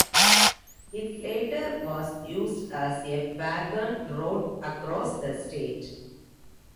It later was used as a wagon road across the state.